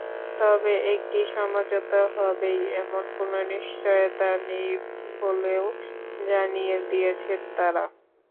তবে একটি সমঝোতা হবেই—এমন কোনো নিশ্চয়তা নেই বলেও জানিয়ে দিয়েছেন তাঁরা।